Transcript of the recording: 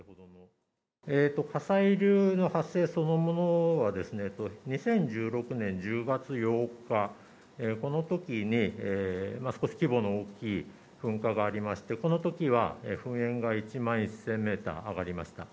火砕流の発生そのものはですね、２０１６年１０月８日、このときに、少し規模の大きい噴火がありまして、このときは噴煙が１万１０００メートル上がりました。